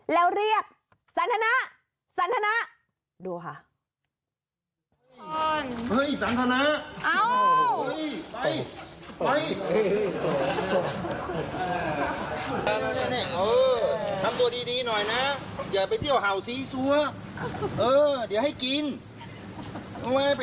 แล้วเรียกสันทนะสันทนะดูค่ะ